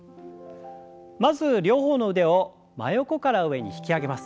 まず両方の腕を真横から上に引き上げます。